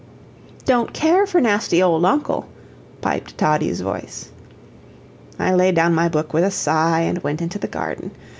"Don't care for nasty old uncle," piped Toddie's voice. I laid down my book with a sigh, and went into the garden.